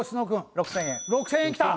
６０００円きた！